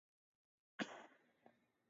Mazungumzo yake ya siri yamesitishwa